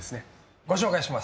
ご紹介します。